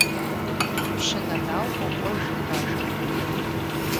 Пщы Нэнау къокӀуэж Бажэм деж.